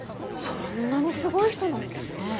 そんなにすごい人なんですね。